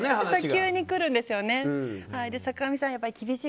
急に来るんですよね。